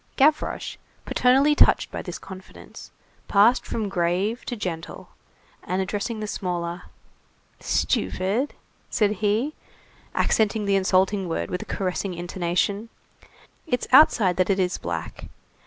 Gavroche, paternally touched by this confidence, passed from grave to gentle, and addressing the smaller:— "Stupid," said he, accenting the insulting word, with a caressing intonation, "it's outside that it is black.